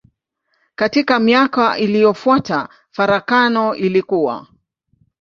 Katika miaka iliyofuata farakano ilikua.